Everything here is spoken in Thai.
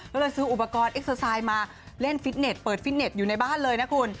ก็เลยซื้ออุปกรณ์เอ็กเซอร์ไซด์มาเล่นฟิตเน็ตเปิดฟิตเน็ตอยู่ในบ้านเลยนะคุณ